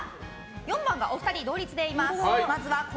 ４番がお二人、同率でいます。